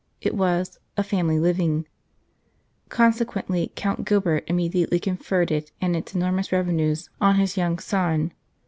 It was " a family living "; consequently Count Gilbert immediately conferred it and its enormous revenues on his young son.